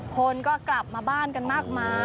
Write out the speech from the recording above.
คนก็กลับมาบ้านกันมากมาย